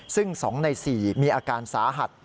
ซึ่ง๒ใน๔มีอาการสาหัส